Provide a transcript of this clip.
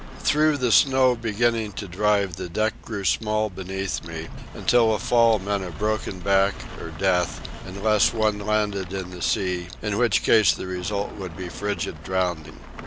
Through the snow beginning to drive the deck grew small beneath me, until a fall meant a broken back or death, unless one landed in the sea, in which case the result would be frigid drowning.